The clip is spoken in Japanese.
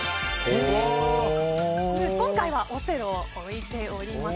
今回はオセロを置いております。